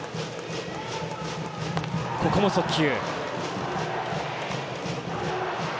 ここも速球。